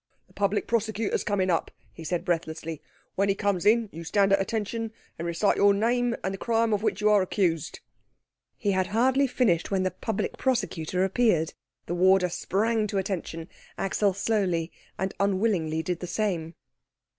"The Public Prosecutor is coming up," he said breathlessly. "When he comes in, you stand at attention and recite your name and the crime of which you are accused." He had hardly finished when the Public Prosecutor appeared. The warder sprang to attention. Axel slowly and unwillingly did the same.